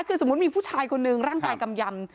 คือสมมุติมีผู้ชายคนนึงร่างกายกำยำ